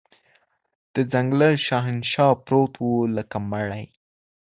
د ځنګله شهنشاه پروت وو لکه مړی